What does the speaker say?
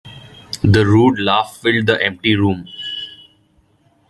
The rude laugh filled the empty room.